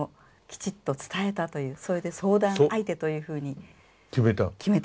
それで相談相手というふうに決めた。